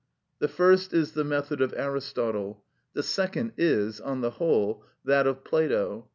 The first is the method of Aristotle; the second is, on the whole, that of Plato.